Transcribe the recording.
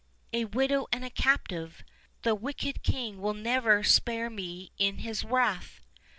a widow and a captive; the wicked king will never spare me in his wrath."